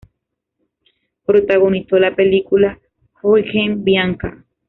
Protagonizó la película "Hurricane Bianca".